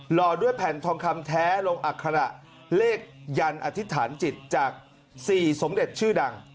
ห่อด้วยแผ่นทองคำแท้ลงอัคระเลขยันอธิษฐานจิตจาก๔สมเด็จชื่อดัง